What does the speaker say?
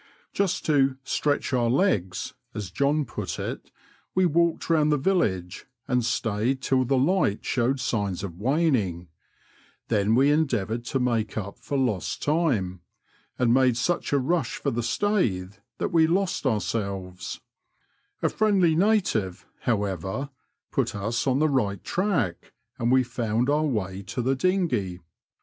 Just to " stretch our legs," as John put it, we walked round the village, and stayed till the light showed signs of waning ; then we endeavoured to make up for lost time, and made such a rush for the Staiche that we lost ourselves; A friendly native, however, put us on the right track, and we found our way to the dinghey.